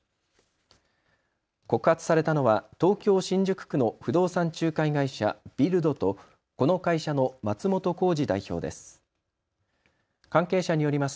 告発されたのは東京新宿区の不動産仲介会社、ビルドとこの会社の松本幸二代表です。